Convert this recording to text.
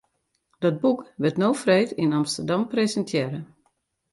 Dat boek wurdt no freed yn Amsterdam presintearre.